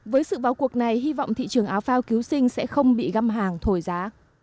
với sự vào cuộc này hy vọng thị trường áo phao cứu sinh sẽ không bị găm hàng thổi giá